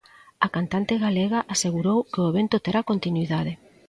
A cantante galega asegurou que o evento terá continuidade.